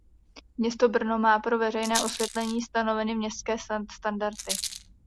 Město Brno má pro veřejné osvětlení stanoveny městské standardy.